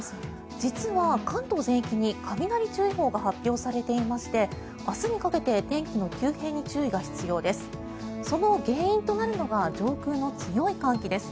実は、関東全域に雷注意報が発表されていまして明日にかけて天気の急変に注意が必要です。